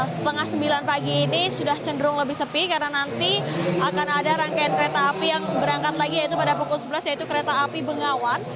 setengah sembilan pagi ini sudah cenderung lebih sepi karena nanti akan ada rangkaian kereta api yang berangkat lagi yaitu pada pukul sebelas yaitu kereta api bengawan